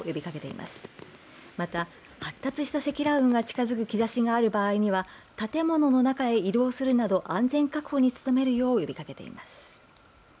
また発達した積乱雲が近づく兆しがある場合には建物の中へ移動するなど安全確保に努めるよう呼びかけています。